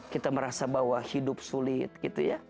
kita merasa bahwa hidup sulit